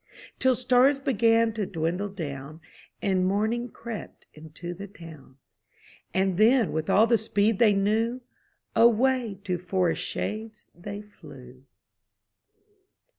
Till stars began to dwindle down, And morning crept into the town. And then, with all the speed they knew, Away to forest shades they flew.